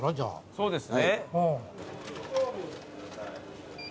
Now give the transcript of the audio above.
そうです。